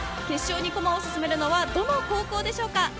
決勝に駒を進めるのはどの高校でしょうか。